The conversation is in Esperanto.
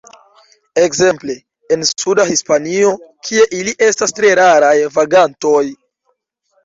Ekzemple en suda Hispanio, kie ili estas tre raraj vagantoj.